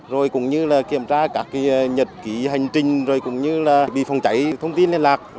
rồi cũng như là kiểm tra các nhật ký hành trình rồi cũng như là bị phòng cháy thông tin liên lạc